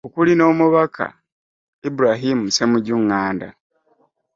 Okuli n'Omubaka Ibrahim Ssemujju Nganda.